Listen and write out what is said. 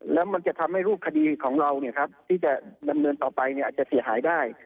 แล้วมันจะทำให้รูปคดีของเราที่จะดำเนินต่อไปอาจจะเสียหายได้